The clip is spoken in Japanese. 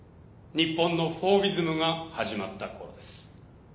日本のフォービズムが始まったころです。